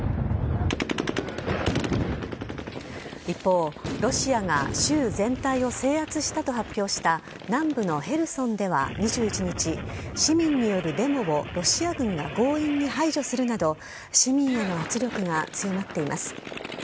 一方、ロシアが州全体を制圧したと発表した南部のヘルソンでは２１日、市民によるデモをロシア軍が強引に排除するなど、市民への圧力が強まっています。